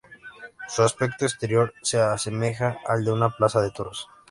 Su aspecto exterior se asemeja al de una plaza de toros.